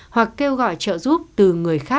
hoặc kêu gọi trợ giúp từ người